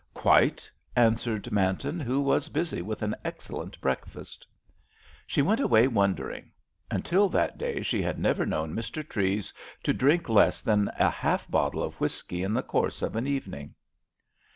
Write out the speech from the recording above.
"Quite," answered Manton, who was busy with an excellent breakfast. She went away wondering. Until that day she had never known Mr. Treves to drink less than half a bottle of whisky in the course of an evening.